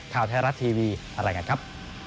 ข่าวไทยรัฐทีวีอะไรกันครับ